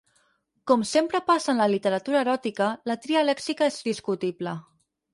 Com sempre passa en la literatura eròtica, la tria lèxica és discutible.